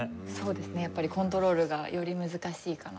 やっぱりコントロールがより難しいかなと。